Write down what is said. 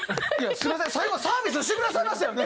すみません最後サービスしてくださいましたよね？